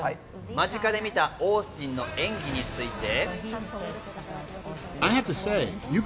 間近で見たオースティンの演技について。